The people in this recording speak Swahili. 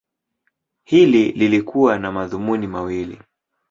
Hili lilikuwa na madhumuni mawili.